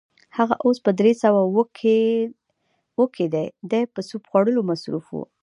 هغه اوس په درې سوه اووه کې دی، دی په سوپ خوړلو مصروف و.